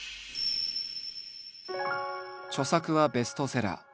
著作はベストセラー。